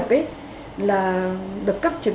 có thật là phân hủy sinh học không